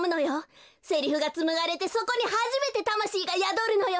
セリフがつむがれてそこにはじめてたましいがやどるのよ。